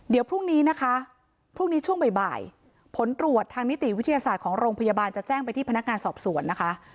เดี๋ยวพรุ่งนี้นะคะพรุ่งนี้ช่วงบ่ายผลตรวจทางนิติวิทยาศาสตร์ของโรงพยาบาลจะแจ้งไปที่พนักงานสอบสวนนะคะ